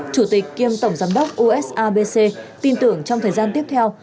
chủ tịch kiêm tổng giám đốc usabc tin tưởng trong thời gian tiếp theo